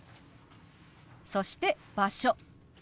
そして「場所」。